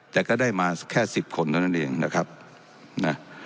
แต่ก็ได้มาแค่สิบคนเท่านั้นเองนะครับนะ